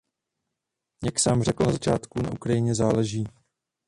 Jak jsem řekl na začátku, na Ukrajině záleží.